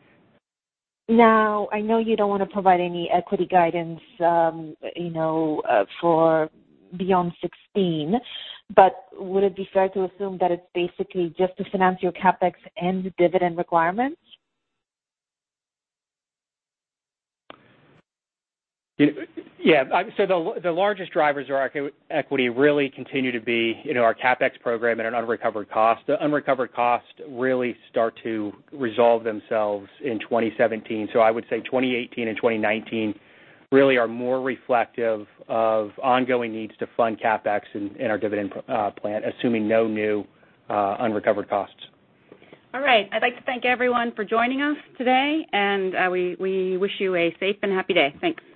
I know you don't want to provide any equity guidance for beyond 2016, would it be fair to assume that it's basically just to finance your CapEx and dividend requirements? Yeah. The largest drivers of our equity really continue to be our CapEx program and our unrecovered cost. The unrecovered costs really start to resolve themselves in 2017. I would say 2018 and 2019 really are more reflective of ongoing needs to fund CapEx in our dividend plan, assuming no new unrecovered costs. All right. I'd like to thank everyone for joining us today, and we wish you a safe and happy day. Thanks.